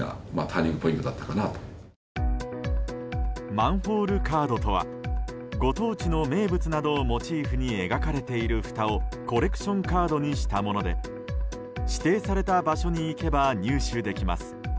マンホールカードとはご当地の名物などをモチーフに描かれているふたをコレクションカードにしたもので指定された場所に行けば入手できます。